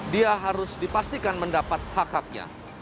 dia harus dipastikan mendapat hak haknya